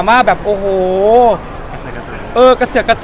ไม่ได้เจออยู่ด้วยกันใช่ครับ